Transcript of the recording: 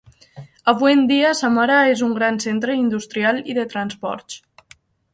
Avui en dia, Samara és un gran centre industrial i de transports.